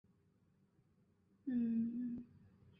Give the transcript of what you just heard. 诸蒲县是越南嘉莱省下辖的一个县。